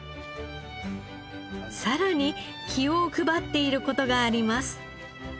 さらに気を配っている事があります。